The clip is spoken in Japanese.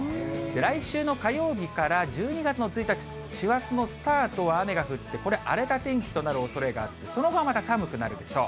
来週の火曜日から１２月の１日、師走のスタートは雨が降って、これ、荒れた天気となるおそれがあって、その後はまた寒くなるでしょう。